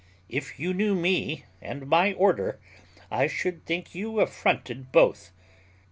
If you knew me, and my order, I should think you affronted both."